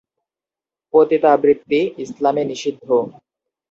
পতিতাবৃত্তি ইসলামে নিষিদ্ধ।